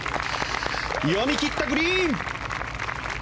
読み切ったグリーン！